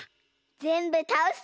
ぜんぶたおすぞ！